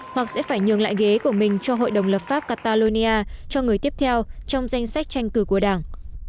hoặc sẽ phải nhường lại ghế của mình cho hội đồng lập pháp catalonia cho người tiếp theo trong danh sách tranh cử của đảng